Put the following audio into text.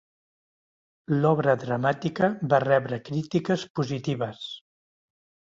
L'obra dramàtica va rebre crítiques positives.